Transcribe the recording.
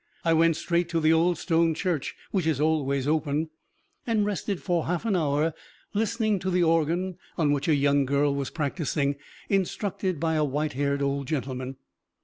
I went straight to the old stone church, which is always open, and rested for half an hour, listening to the organ on which a young girl was practising, instructed by a white haired old gentleman.